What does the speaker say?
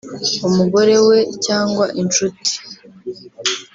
umugore we cyangwa inshuti